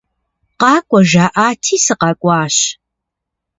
Къакӏуэ жаӏати, сыкъэкӏуащ.